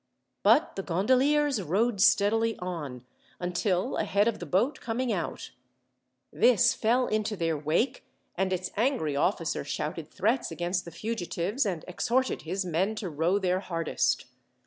But the gondoliers rowed steadily on, until ahead of the boat coming out. This fell into their wake, and its angry officer shouted threats against the fugitives, and exhorted his men to row their hardest.